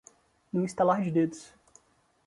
Num estalar de dedos